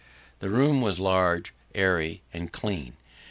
The room was large, airy, and clean.